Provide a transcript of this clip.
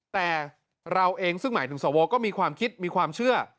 แต่เราเองซึ่งหมายถึงสวก็มีความคิดมีความเชื่อ